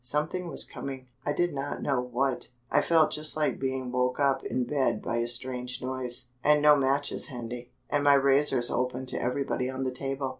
Something was coming, I did not know what. I felt just like being woke up in bed by a strange noise, and no matches handy, and my razors open to everybody on the table.